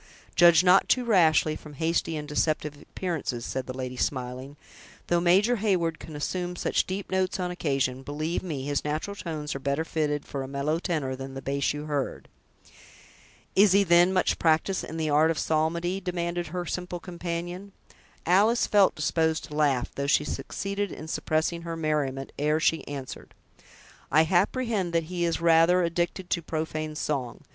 "Judge not too rashly from hasty and deceptive appearances," said the lady, smiling; "though Major Heyward can assume such deep notes on occasion, believe me, his natural tones are better fitted for a mellow tenor than the bass you heard." "Is he, then, much practiced in the art of psalmody?" demanded her simple companion. Alice felt disposed to laugh, though she succeeded in suppressing her merriment, ere she answered: "I apprehend that he is rather addicted to profane song.